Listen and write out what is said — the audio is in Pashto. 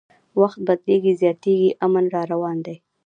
وخت بدلیږي زیاتي امن راروان دي